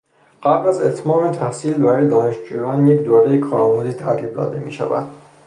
قبل از اتمام تحصیل برای دانشجویان یک دورهٔ کارآموزی ترتیب داده میشود.